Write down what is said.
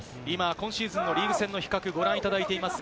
今シーズンのリーグ戦の比較をご覧いただいています。